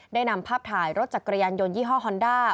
ได้นำภาพถ่ายรถจักรยานยนยี่ห้อฮอนด้า